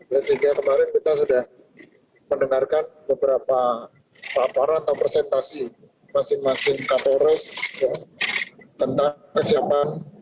ya sehingga kemarin kita sudah mendengarkan beberapa paparan atau presentasi masing masing kapolres tentang kesiapan